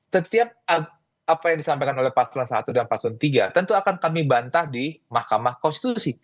setiap apa yang disampaikan oleh paslon satu dan paslon tiga tentu akan kami bantah di mahkamah konstitusi